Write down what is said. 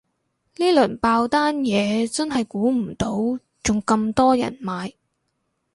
呢輪爆單嘢真係估唔到仲咁多人買